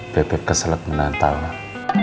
beb beb kesel menantang